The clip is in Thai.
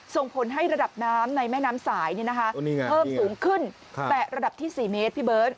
ส่งผลให้ระดับน้ำในแม่น้ำสายเนี่ยนะฮะเพิ่มสูงขึ้นแตะระดับที่สี่เมตรพี่เบิ้ล